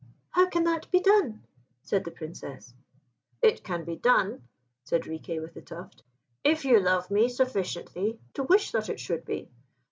"How can that be done?" said the Princess. "It can be done," said Riquet with the Tuft, "if you love me sufficiently to wish that it should be.